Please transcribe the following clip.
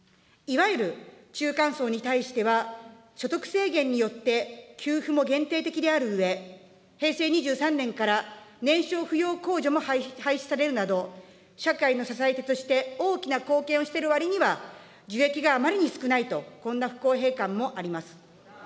いわゆる中間層に対しては、所得制限によって、給付も限定的であるうえ、平成２３年から年少扶養控除も廃止されるなど、社会の支え手として大きな貢献をしている割には、受益があまりに少ないと、こんな不公平感もあります。